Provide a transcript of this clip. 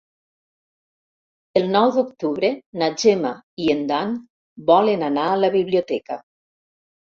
El nou d'octubre na Gemma i en Dan volen anar a la biblioteca.